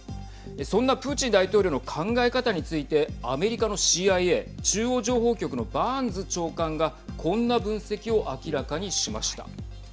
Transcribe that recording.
そんなプーチン大統領の考え方についてアメリカのＣＩＡ＝中央情報局のバーンズ長官がこんな分析を明らかにしました。